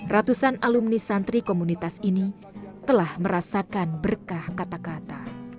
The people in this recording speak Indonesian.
ratusan alumni santri komunitas ini telah merasakan berkah kata kata